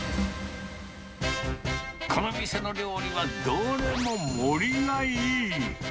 この店の料理は、どれも盛りがいい。